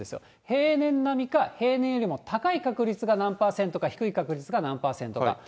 平年並みか、平年よりも高い確率が何％か、低い確率が何％か。